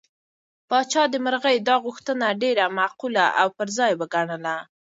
پاچا د مرغۍ دا غوښتنه ډېره معقوله او پر ځای وګڼله.